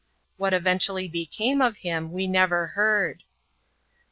What eventually became of him, we never heard.